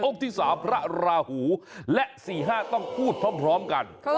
ที่๓พระราหูและ๔๕ต้องพูดพร้อมกัน